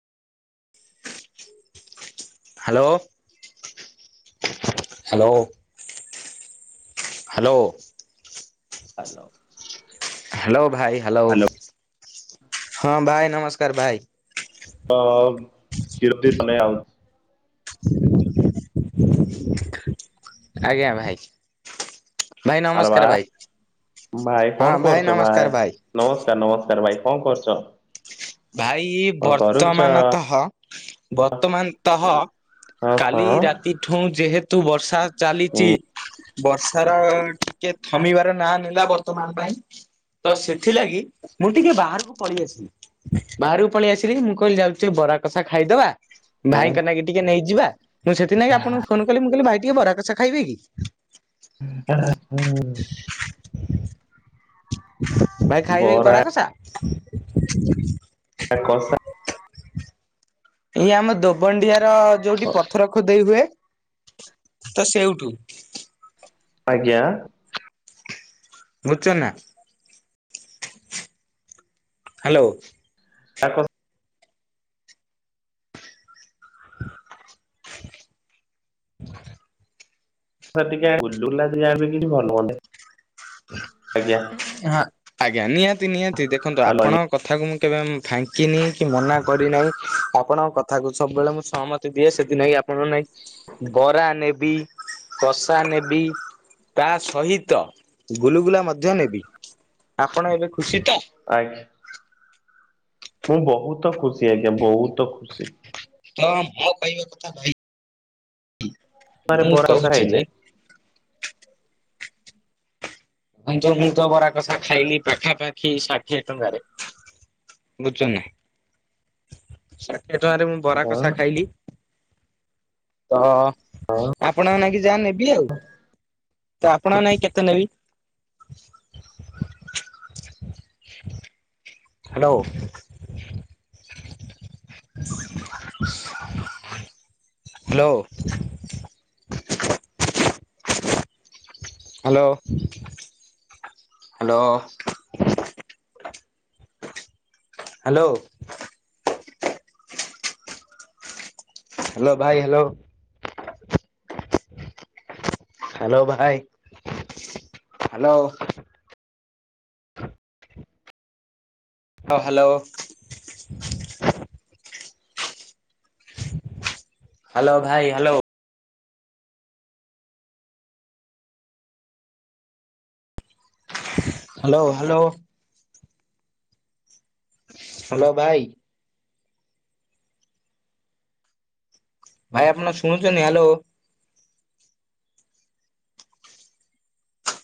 Hello hello. Hello. Hello. Hello ଭାଇ hello hello ହଁ ଭାଇ ନମସ୍କାର ଭାଇ। ତ [unintelligible] ଆଜ୍ଞା ଭାଇ। ଭାଇ ଆରେ ବା ନମସ୍କାର ଭାଇ ଭାଇ ହଁ କଣ ଭାଇ କରୁଛ ନମସ୍କାର ଭାଇ। ନମସ୍କାର ନମସ୍କାର ଭାଇ କଣ କରୁନ? ଭାଇ ବର୍ତ୍ତମାନ ତହ ବର୍ତ୍ତମାନ ତହ ହଁ କାଲି ହଁ ରାତିଠୁ ଯେହେତୁ ବର୍ଷା ଚାଲିଛି ବର୍ଷ ର ଟିକେ ଥମିବାର ନାଁ ନେଲା ବର୍ତ୍ତମାନ ପାଇଁ। ତ ସେଥିଲାଗି ମୁଁ ଟିକେ ବାହାରକୁ ପଳେଇ ଆସିଚି। ବାହାରକୁ ପଳେଇ ଆସିଲି ମୁଁ କହିଲି ଯାଉଛି ବରା କଷା ଖାଇଦବା ଉଁ ଭାଇଙ୍କ ନାକି ଟିକେ ନେଇଯିବା ମୁଁ ସେଥି ନିକି ଆପଣଙ୍କୁ ଫୋନ କଲି ମୁଁ କହିଲି ଭାଇ ଟିକେ ବରା କସା ଖାଇବେ କି? ହୁଁ। ଭାଇ ଖାଇବେ କି ବରା କସା? ତା କସା। ଏଇ ଆମ ଦୋବଣ୍ଡିଆ ର ଯୋଉଠି ପଥର ଖୋଦେଇ ହୁଏ ତ ସେଉଠୁ। ଆଜ୍ଞା। ବୁଝୁଚ ନା ହ୍ୟାଲୋ। [unintelligible] [inaudible] ଟିକେ ଗୁଲୁଗୁଲା [unintelligible] ଆଜ୍ଞା ହଁ ଆଜ୍ଞା ନିହାତି ନିହାତି ଦେଖନ୍ତୁ ହାଲୋ ଆଜ୍ଞା ଆପଣ କଥାକୁ ମୁଁ କେବେ ଫାଙ୍କିନି କି ମନା କରିନାହିଁ ଆପଣଙ୍କ କଥାକୁ ସବୁବେଳେ ମୁଁ ସହମତୀ ଦିଏ ସେଥି ନେଇ ଆପଣଙ୍କ ନାଗି ବରା ନେବି କଷା ନେବି। ତା ସହିତ ଗୁଲୁଗୁଲା ମଧ୍ୟ ନେବି, ଆପଣ ଏବେ ଖୁସି ତ? ହୁଁ। ମୁଁ ବହୁତ ଖୁସି ଆଜ୍ଞା ବହୁତ ଖୁସି। ତ ମୋ କହିବା କଥା ଭାଇ ଥରେ ମୁଁ ବରା କଷା କହୁଛି ଖାଇଲେ ଯେ [unintelligible] ମୁ ତ ବରା କଷା ଖାଇଲି ପାଖାପାଖି ଷାଠିଏ ଟଙ୍କାରେ। [unintelligible] ଷାଠିଏ ଟଙ୍କାରେ ମୁଁ ବରା ହଁ କଷା ହଁ। ଖାଇଲି, ତ ଆପଣଙ୍କ ନାଇକି ଯାହା ନେବି ଆଉ, ତ ଆପଣଙ୍କ ନାଇକି କେତେ ନେବି? [inaudible] Hello hello hello hello. Hello. Hello. Hello ଭାଇ ହାଲୋ ହଁ ହାଲୋ। ହାଲୋ ଭାଇ ହାଲୋ। Hello hello. ହାଲୋ ଭାଇ। ଭାଇ ଆପଣ ଶୁଣୁଚନ୍ତି ହାଲୋ?